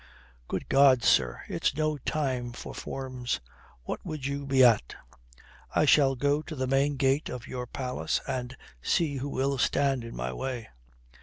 "Good God, sir, it's no time for forms. What would you be at?" "I shall go to the main gate of your palace and see who will stand in my way."